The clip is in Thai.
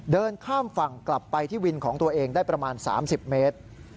เดินข้ามฝั่งกลับไปที่วินของตัวเองได้ประมาณ๓๐เมตร